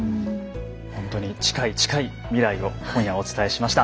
本当に近い近い未来を今夜はお伝えしました。